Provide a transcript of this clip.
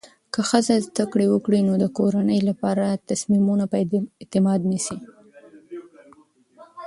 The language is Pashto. که ښځه زده کړه وکړي، نو د کورنۍ لپاره تصمیمونه په اعتماد نیسي.